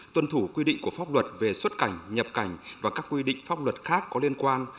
tuân thủ quy định của pháp luật về xuất cảnh nhập cảnh và các quy định pháp luật khác có liên quan